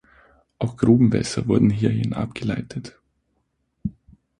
Auch Grubenwässer wurden hierhin abgeleitet.